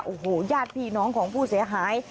โอ้โหญาติพี่น้องของผู้เสียหาย